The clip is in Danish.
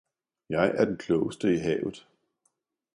Jeg er den klogeste i havet.